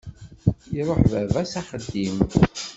Iruḥ baba s axeddim.